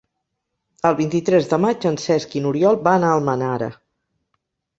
El vint-i-tres de maig en Cesc i n'Oriol van a Almenara.